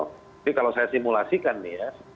tapi kalau saya simulasikan nih ya